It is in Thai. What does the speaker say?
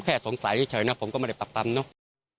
แต่สงสัยเฉยนะผมก็ไม่ได้ตับตันเนาะ